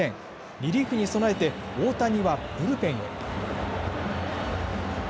リリーフに備えて大谷はブルペンへ。